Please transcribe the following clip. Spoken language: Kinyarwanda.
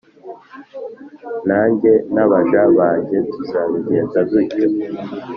nanjye n’abaja banjye tuzabigenza dutyo.